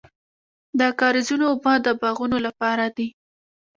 د کاریزونو اوبه د باغونو لپاره دي.